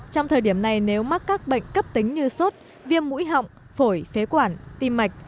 trong thời điểm này nếu mắc các bệnh cấp tính như sốt viêm mũi họng phổi phế quản tim mạch